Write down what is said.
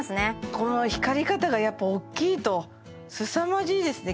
この光り方がやっぱ大きいとすさまじいですね